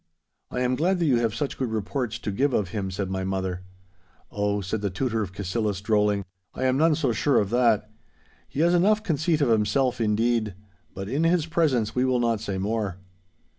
'I am glad that you have such good reports to give of him,' said my mother. 'Oh,' said the Tutor of Cassillis, drolling, 'I am none so sure of that. He has enough conceit of himself, indeed. But in his presence we will not say more.